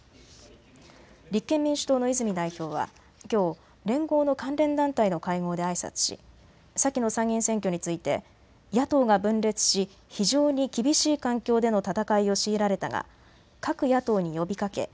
立憲民主党の泉代表はきょう連合の関連団体の会合であいさつし先の参議院選挙について野党が分裂し非常に厳しい環境での戦いを強いられたが各野党に呼びかけ